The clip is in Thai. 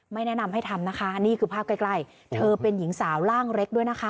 แนะนำให้ทำนะคะนี่คือภาพใกล้เธอเป็นหญิงสาวร่างเล็กด้วยนะคะ